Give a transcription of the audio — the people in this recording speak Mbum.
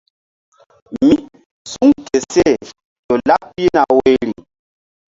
Mí suŋ ke seh ƴo laɓ pihna woyri.